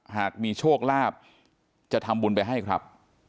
หากมีโชคลาภจะทำบุญไปให้ครับ